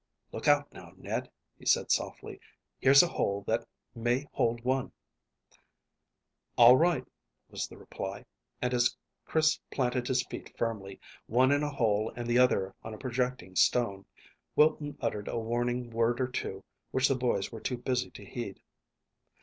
"Look out now, Ned," he said softly. "Here's a hole that may hold one." "All right," was the reply, and as Chris planted his feet firmly, one in a hole and the other on a projecting stone, Wilton uttered a warning word or two, which the boys were too busy to heed.